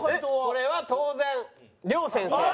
これは当然亮先生。